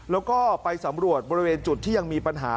แล้วก็ไปสำรวจบริเวณจุดที่ยังมีปัญหา